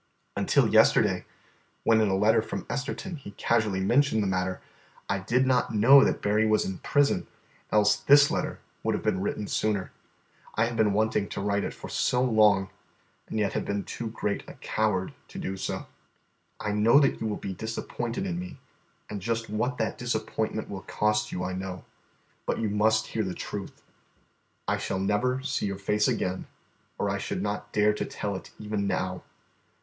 Until yesterday, when in a letter from Esterton he casually mentioned the matter, I did not know that Berry was in prison, else this letter would have been written sooner. I have been wanting to write it for so long, and yet have been too great a coward to do so. "I know that you will be disappointed in me, and just what that disappointment will cost you I know; but you must hear the truth. I shall never see your face again, or I should not dare to tell it even now.